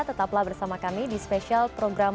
tetaplah bersama kami di spesial program